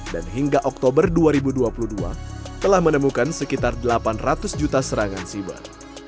dan hingga oktober dua ribu dua puluh dua telah menemukan sekitar delapan ratus juta serangan siber